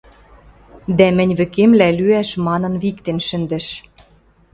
дӓ мӹнь вӹкемлӓ лӱӓш манын виктен шӹндӹш.